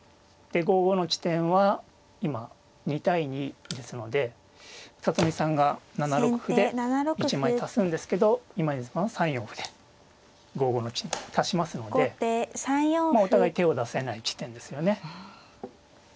で５五の地点は今２対２ですので里見さんが７六歩で１枚足すんですけど今泉さんは３四歩で５五の地点に足しますのでまあお互い手を出せない地点ですよね。